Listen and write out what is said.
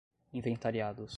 inventariados